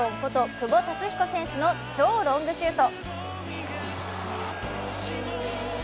久保竜彦選手の超ロングシュート。